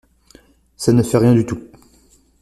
Ça ne fait rien du tout.